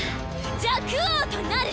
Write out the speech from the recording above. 若王となる！